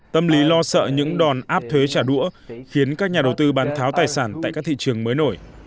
tâm lý lo sợ những đòn áp thuế trả đũa khiến các nhà đầu tư bán tháo tài sản tại các thị trường mới nổi